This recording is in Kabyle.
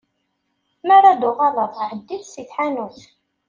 Mi ara d-tuɣaleḍ, εeddi-d si tḥanut.